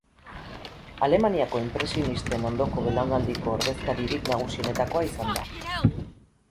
Alemaniako inpresionisten ondoko belaunaldiko ordezkaririk nagusietakoa izan da.